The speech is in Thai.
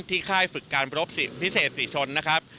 ที่ค่ายฝึกการประบบพิเศษสี่ชนนะครับ